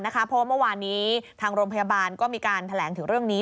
เพราะว่าเมื่อวานนี้ทางโรงพยาบาลก็มีการแถลงถึงเรื่องนี้